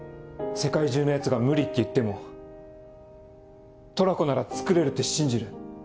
世界中のヤツが「無理」って言ってもトラコならつくれるって信じる。